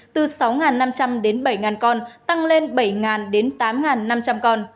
từ sáu năm trăm linh đến bảy con tăng lên bảy đến tám năm trăm linh con